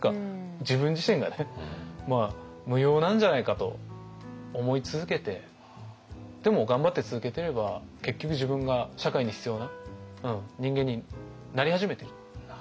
自分自身が無用なんじゃないかと思い続けてでも頑張って続けてれば結局自分が社会に必要な人間になり始めてる。